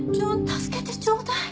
助けてちょうだい。